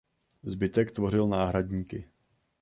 Zbytek tvořil náhradníky.